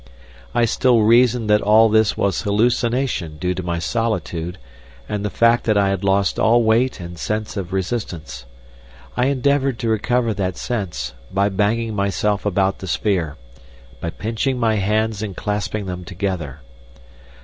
I still reasoned that all this was hallucination due to my solitude, and the fact that I had lost all weight and sense of resistance. I endeavoured to recover that sense by banging myself about the sphere, by pinching my hands and clasping them together.